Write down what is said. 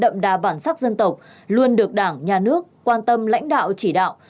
và bản sắc dân tộc luôn được đảng nhà nước quan tâm lãnh đạo chỉ đạo